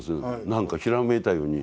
何かひらめいたように。